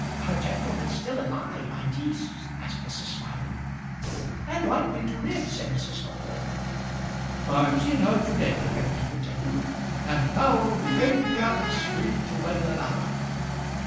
"Her gentleman's still alive, ain't he?" asked Mrs. Smiley. "And likely to live," said Mrs. Moulder. "I've seen her to day," Kenneby continued; "and now the Adriatic's free to wed another."